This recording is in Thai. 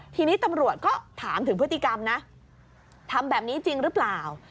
ทีนี้ตำรวจก็ถามถึงพฤติกรรมนะทำแบบนี้จริงหรือเปล่า